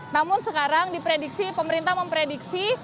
namun sekarang di prediksi pemerintah memprediksi